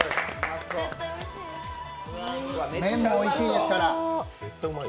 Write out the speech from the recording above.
麺もおいしいですから。